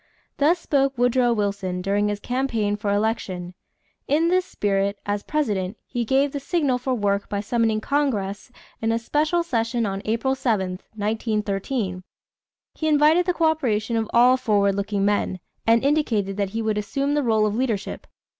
Thus spoke Woodrow Wilson during his campaign for election. In this spirit, as President, he gave the signal for work by summoning Congress in a special session on April 7, 1913. He invited the coöperation of all "forward looking men" and indicated that he would assume the rôle of leadership.